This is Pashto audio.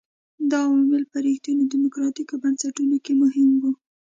دا عوامل په رښتینو ډیموکراټیکو بنسټونو کې مهم وو.